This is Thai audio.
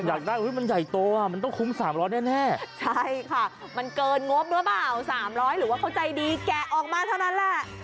อยากได้มันใหญ่โตอ่ะมันต้องคุ้ม๓๐๐แน่ใช่ค่ะมันเกินงบหรือเปล่า๓๐๐หรือว่าเขาใจดีแกะออกมาเท่านั้นแหละ